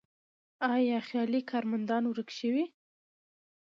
آیا خیالي کارمندان ورک شوي؟